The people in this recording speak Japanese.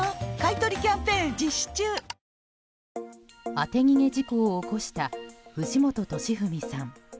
当て逃げ事故を起こした藤本敏史さん。